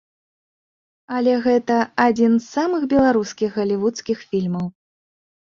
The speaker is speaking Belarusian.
Але гэта адзін з самых беларускіх галівудскіх фільмаў.